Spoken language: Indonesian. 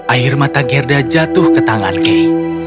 air mata gerda jatuh ke tangan kay